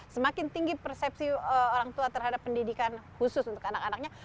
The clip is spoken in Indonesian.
semakin tinggi persepsi orang tua terhadap pendidikan khusus untuk anak anaknya